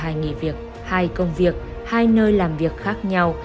hai nghỉ việc hai công việc hai nơi làm việc khác nhau